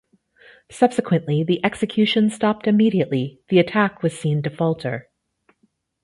Subsequently the executions stopped immediately the attack was seen to falter.